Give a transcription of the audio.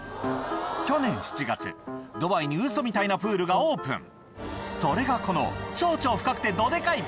去年７月ドバイにウソみたいなプールがオープンそれがこの超超深くてどデカい